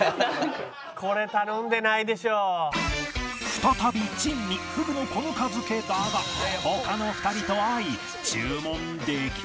再び珍味河豚の子糠漬けだが他の２人と合い注文できるか？